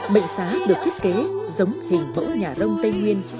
bệnh xá được thiết kế giống hình mẫu nhà đông tây nguyên